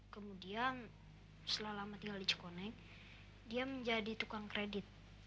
kemudian setelah lama tinggal di cekoneg dia menjadi tukang kredit